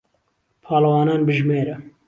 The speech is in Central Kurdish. پاڵهوانان بژمێره